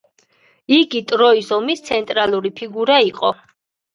იგი ტროის ომის ცენტრალური ფიგურა იყო.